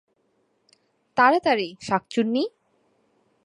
তাড়াতাড়ি, শাকচুন্নী।